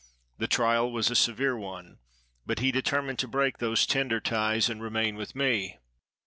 The trial was a severe one, but he determined to break those tender ties and remain with me.